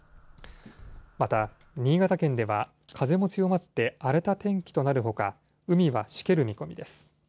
また新潟県では、風も強まって荒れた天気となるほか、海はしける見込みです。